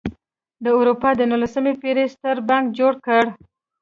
د اروپا د نولسمې پېړۍ ستر بانک جوړ کړ.